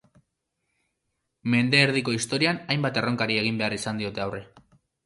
Mende erdiko historian hainbat erronkari egin behar izan diote aurre.